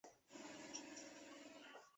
六齿猴面蟹为沙蟹科猴面蟹属的动物。